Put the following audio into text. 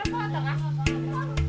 dulusun tersebut tidak ada